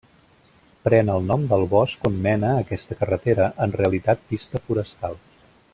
Pren el nom del bosc on mena aquesta carretera, en realitat pista forestal.